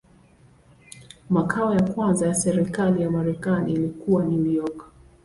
Makao ya kwanza ya serikali ya Marekani ilikuwa New York.